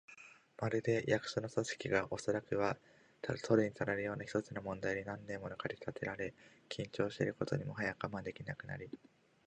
まるで、役所の組織が、おそらくは取るにたらぬような一つの問題に何年ものあいだ駆り立てられ、緊張していることにもはや我慢できなくなり、